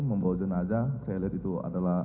membawa jenazah saya lihat itu adalah